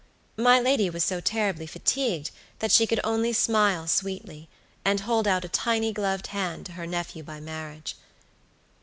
My lady was so terribly fatigued that she could only smile sweetly, and hold out a tiny gloved hand to her nephew by marriage.